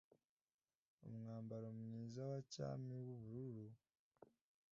umwambaro mwiza wa cyami w ubururu